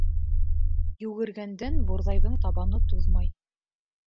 Йүгергәндән бурҙайҙың табаны туҙмай.